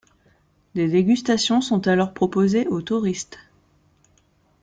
Des dégustations sont alors proposées au touristes.